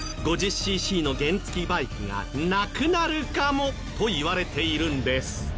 シーシーの原付バイクがなくなるかもといわれているんです。